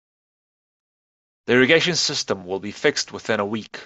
The irrigation system will be fixed within a week.